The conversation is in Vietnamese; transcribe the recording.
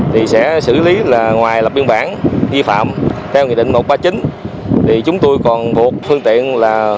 thì sẽ xử lý là ngoài lập biên bản vi phạm theo nghị định một trăm ba mươi chín thì chúng tôi còn buộc phương tiện là